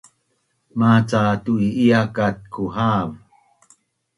maca tu’i’ia kat kuhav